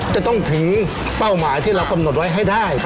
จะต้องถึงเป้าหมายที่เรากำหนดไว้ให้ได้